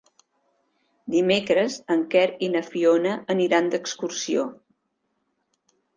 Dimecres en Quer i na Fiona aniran d'excursió.